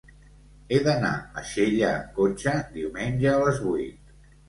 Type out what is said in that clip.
He d'anar a Xella amb cotxe diumenge a les vuit.